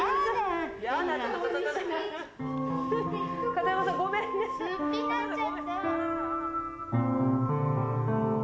片山さんごめんね。